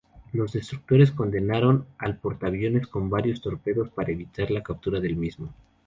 Los destructores condenaron al portaaviones con varios torpedos para evitar la captura del mismo.